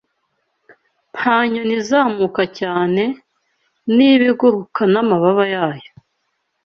Nta nyoni izamuka cyane, niba iguruka n'amababa yayo